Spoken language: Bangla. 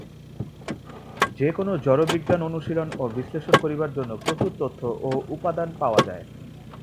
যে-কোন জড়বিজ্ঞান অনুশীলন ও বিশ্লেষণ করিবার জন্য প্রচুর তথ্য ও উপাদান পাওয়া যায়।